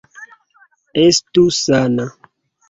Estu sana!